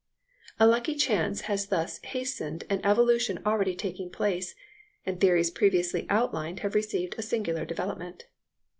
A lucky chance has thus hastened an evolution already taking place, and theories previously outlined have received a singular development.